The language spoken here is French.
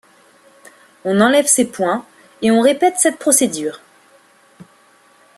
On enlève ces points et on répète cette procédure.